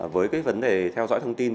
với vấn đề theo dõi thông tin